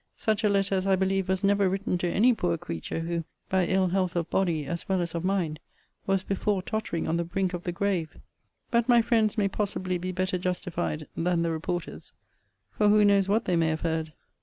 Such a letter as I believe was never written to any poor creature, who, by ill health of body, as well as of mind, was before tottering on the brink of the grave. But my friends may possibly be better justified than the reporters For who knows what they may have heard?